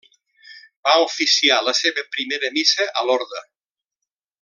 Va oficiar la seva primera missa a Lorda.